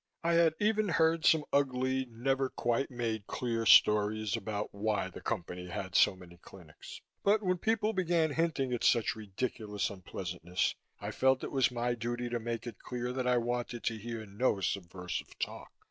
I had even heard some ugly, never quite made clear stories about why the Company had so many clinics ... but when people began hinting at such ridiculous unpleasantness, I felt it was my duty to make it clear that I wanted to hear no subversive talk.